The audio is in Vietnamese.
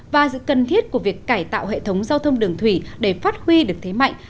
và sự cần thiết của việc cải tạo hệ thống giao thông đường thủy để phát huy được thế mạnh